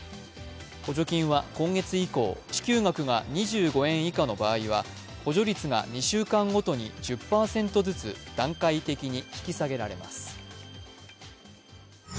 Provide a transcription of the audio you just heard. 補助金は今月以降、支給額が２５円以下の場合は補助率が２週間ごとに１０％ずつ段階的に引き下げられます。